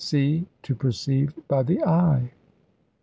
See to perceive by the eye."